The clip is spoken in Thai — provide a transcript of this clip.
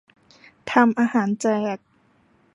ทำอาหารแจก